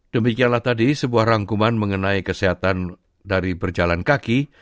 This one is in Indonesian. demikianlah tadi sebuah rangkuman mengenai kesehatan dari berjalan kaki